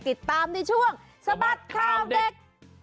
ติดตามในช่วงสะบัดข่าวเด็ก